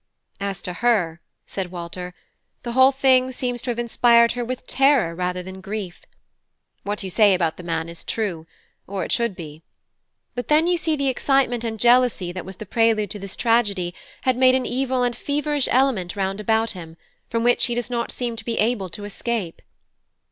"As to her," said Walter, "the whole thing seems to have inspired her with terror rather than grief. What you say about the man is true, or it should be; but then, you see, the excitement and jealousy that was the prelude to this tragedy had made an evil and feverish element round about him, from which he does not seem to be able to escape.